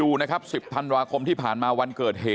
ทำให้สัมภาษณ์อะไรต่างนานาไปออกรายการเยอะแยะไปหมด